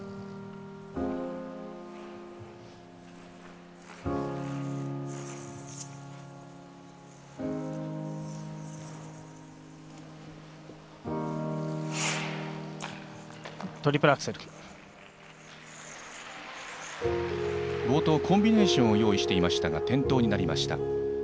冒頭コンビネーションを用意していましたが転倒になりました。